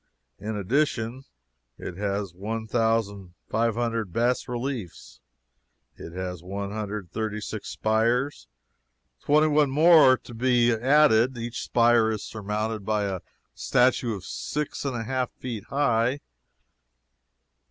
In addition it has one thousand five hundred bas reliefs. It has one hundred and thirty six spires twenty one more are to be added. Each spire is surmounted by a statue six and a half feet high.